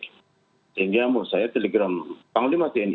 sehingga menurut saya telegram panglima tni